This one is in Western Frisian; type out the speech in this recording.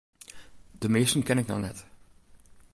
De measten ken ik noch net.